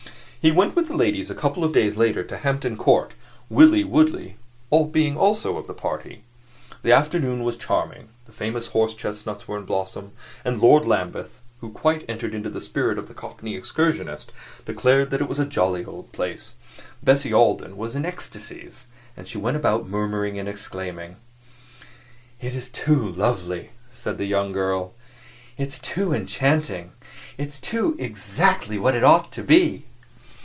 He went with the ladies a couple of days later to Hampton Court, Willie Woodley being also of the party. The afternoon was charming, the famous horse chestnuts were in blossom, and Lord Lambeth, who quite entered into the spirit of the cockney excursionist, declared that it was a jolly old place. Bessie Alden was in ecstasies; she went about murmuring and exclaiming. "It's too lovely," said the young girl; "it's too enchanting; it's too exactly what it ought to be!"